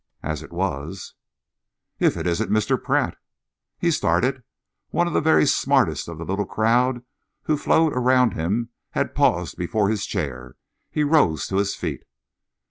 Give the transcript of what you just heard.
As it was "If it isn't Mr. Pratt!" He started. One of the very smartest of the little crowd who flowed around him had paused before his chair. He rose to his feet.